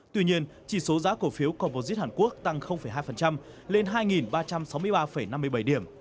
tuy nhiên chỉ số giá cổ phiếu covit hàn quốc tăng hai lên hai ba trăm sáu mươi ba năm mươi bảy điểm